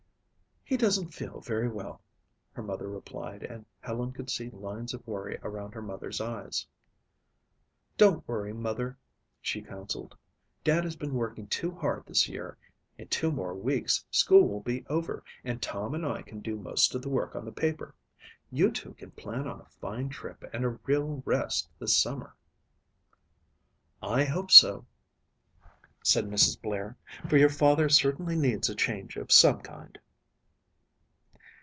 "He doesn't feel very well," her mother replied and Helen could see lines of worry around her mother's eyes. "Don't worry, Mother," she counselled. "Dad has been working too hard this year. In two more weeks school will be over and Tom and I can do most of the work on the paper. You two can plan on a fine trip and a real rest this summer." "I hope so," said Mrs. Blair, "for your father certainly needs a change of some kind."